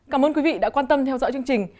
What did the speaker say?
cảm ơn quý vị đã quan tâm theo dõi chương trình